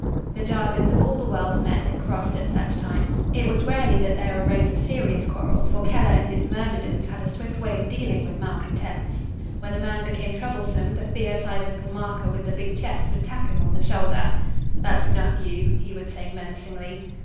The jargons of all the world met and crossed at such time. It was rarely that there arose a serious quarrel, for Keller and his myrmidons had a swift way of dealing with malcontents. When a man became troublesome, the fierce eyed little marker with the big chest would tap him on the shoulder. "That's enough, you," he would say menacingly.